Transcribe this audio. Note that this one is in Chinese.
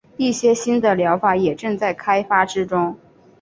一些新的疗法也正在开发之中。